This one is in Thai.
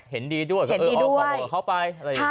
เห็นดีด้วยเข้าไป